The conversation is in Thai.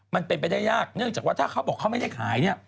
มันเป็นไปได้ยากเนื่องจากว่าถ้าเขาบอกเขาไม่ได้ขายเนี่ย